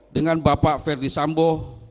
kepada bapak ferdis sambo